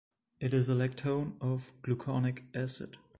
It is a lactone of -gluconic acid.